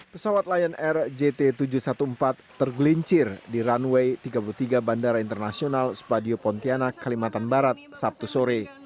pesawat lion air jt tujuh ratus empat belas tergelincir di runway tiga puluh tiga bandara internasional spadio pontianak kalimantan barat sabtu sore